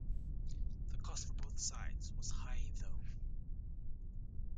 The cost for both sides was high though.